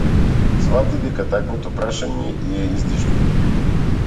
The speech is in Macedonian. Сфати дека таквото прашање ѝ е излишно.